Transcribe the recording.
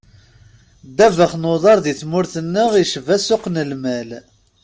Ddabex n uḍar di tmurt-nneɣ icba ssuq n lmal.